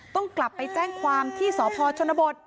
ต้องกลับไปแจ้งความที่สพชนบท